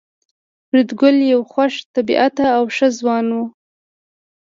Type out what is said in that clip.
فریدګل یو خوش طبیعته او ښه ځوان و